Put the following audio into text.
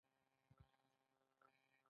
دا د ټاکنو په مسایلو کې د ګډون حالت دی.